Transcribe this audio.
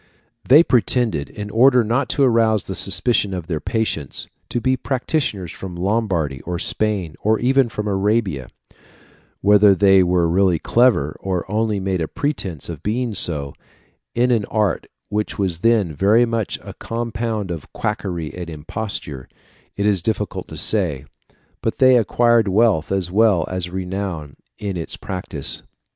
] They pretended, in order not to arouse the suspicion of their patients, to be practitioners from Lombardy or Spain, or even from Arabia; whether they were really clever, or only made a pretence of being so, in an art which was then very much a compound of quackery and imposture, it is difficult to say, but they acquired wealth as well as renown in its practice.